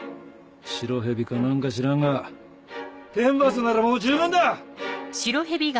白蛇か何か知らんが天罰ならもう十分だ！